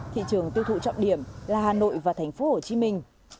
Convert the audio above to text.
thị trường tiêu thụ trọng điểm là hà nội và thành phố hồ chí minh